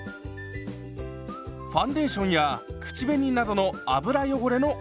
ファンデーションや口紅などの油汚れの落とし方です。